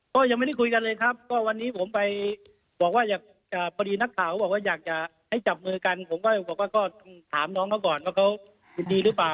ก็ยังไม่ได้คุยกันเลยครับเพราะวันนี้ผมไปประดีนักสาเหตุบอกว่าอยากให้จับมือกันก็ถามน้องเขาก่อนว่าเขายินดีหรือเปล่า